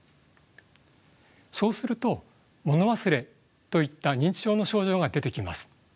そうするともの忘れといった認知症の症状が出てきます。